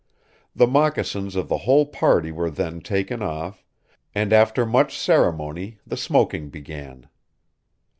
The moccasins of the whole party were then taken off, and after much ceremony the smoking began.